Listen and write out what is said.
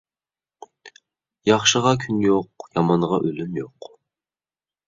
ياخشىغا كۈن يوق، يامانغا ئۈلۈم يوق.